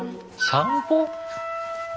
散歩？